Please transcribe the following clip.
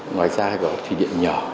ngoài ra thì có truyền điện nhỏ